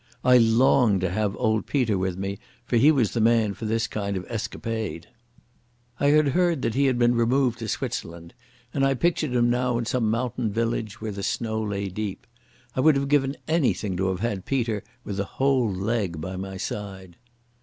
I longed to have old Peter with me, for he was the man for this kind of escapade. I had heard that he had been removed to Switzerland and I pictured him now in some mountain village where the snow lay deep. I would have given anything to have had Peter with a whole leg by my side.